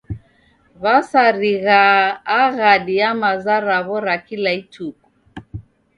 W'asarighaa aghadi ya maza raw'o ra kila ituku.